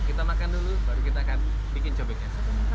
kita makan dulu baru kita akan bikin cobeknya